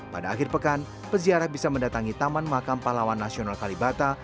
pada akhir pekan peziarah bisa mendatangi taman makam pahlawan nasional kalibata